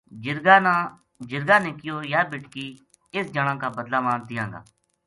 جِرگا نے کہیو یا بیٹکی اس جنا کا بدلہ ما دیاں گا